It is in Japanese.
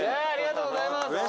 ありがとうございます。